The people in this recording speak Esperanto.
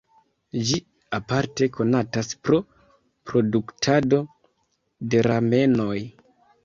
Ĝi aparte konatas pro produktado de ramenoj.